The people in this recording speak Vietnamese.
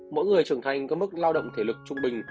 mỗi người trưởng thành có mức lao động thể lực trung bình